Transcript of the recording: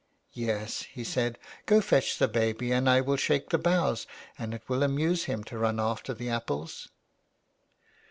"Yes/' he said, ''go fetch the baby and I will shake the boughs, and it will amuse him to run after the apples.'